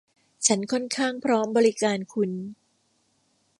ฉันค่อนข้างพร้อมบริการคุณ